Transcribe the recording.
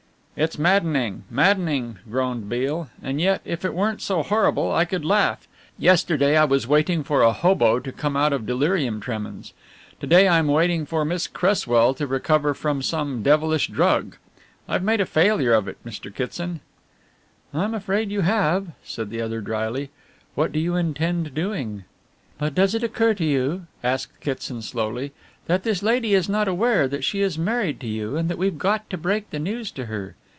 "It's maddening, maddening," groaned Beale, "and yet if it weren't so horrible I could laugh. Yesterday I was waiting for a 'hobo' to come out of delirium tremens. To day I am waiting for Miss Cresswell to recover from some devilish drug. I've made a failure of it, Mr. Kitson." "I'm afraid you have," said the other dryly; "what do you intend doing?" "But does it occur to you," asked Kitson slowly, "that this lady is not aware that she has married you and that we've got to break the news to her?